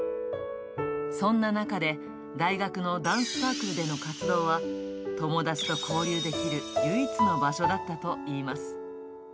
そんな中で、大学のダンスサークルでの活動は友達と交流できる唯一の場所だったといいます。